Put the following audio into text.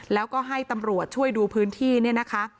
แล้วก็ให้ตำรวจช่วยดูพื้นที่เนี่ยนะคะ